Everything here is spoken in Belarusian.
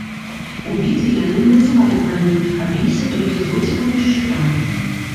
У бітве яны не надзявалі брані, а біліся толькі з дроцікамі і шчытамі.